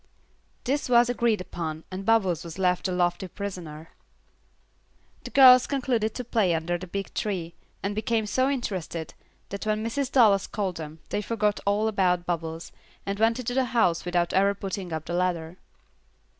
This was agreed upon, and Bubbles was left a lofty prisoner. The girls concluded to play under the big tree, and became so interested, that when Mrs. Dallas called them, they forgot all about Bubbles, and went into the house without ever putting up the ladder.